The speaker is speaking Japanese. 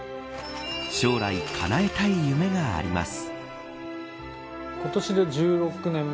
将来、かなえたい夢があります。